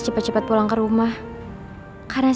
biar kayak orang pacaran